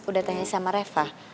udah tanya sama reva